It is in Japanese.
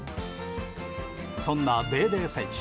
そんなデーデー選手